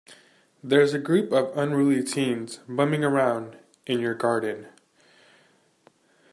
There's a group of unruly teens bumming around in your garden.